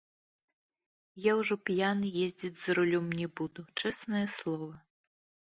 Я ўжо п'яны ездзіць за рулём не буду, чэснае слова.